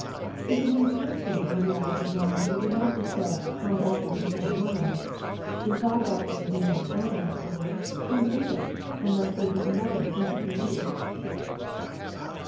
If the names were two, and the reality one, it would not be said, * My doctrine is not mine.' If Thy doctrine be not Thine, Lord, whose is it, unless there be another whose it may be